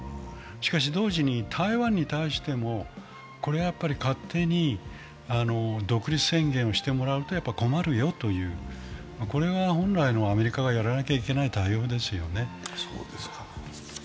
しかし同時に台湾に対しても、勝手に独立宣言をしてもらうと困るよという、これは本来のアメリカがやらなければならない対応ですよね。